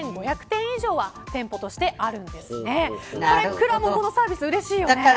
くらもんこのサービス、うれしいよね。